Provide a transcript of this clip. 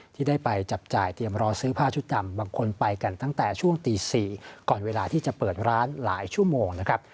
ที่ได้ไปจับจ่ายเตรียมรอซื้อผ้าชุดดำบางคนไปกันตั้งแต่ช่วงตี๔ก่อนเวลาที่จะเปิดร้านหลายชั่วโมงนะครับ